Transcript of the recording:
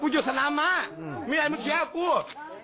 กูอยู่สนามม้ามีอะไรมึงแค้นกู